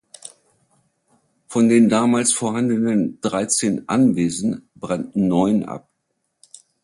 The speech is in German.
Von den damals vorhandenen dreizehn Anwesen brannten neun ab.